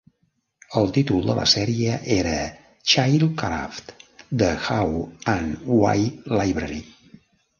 El títol de la sèrie era Childcraft - The How and Why Library.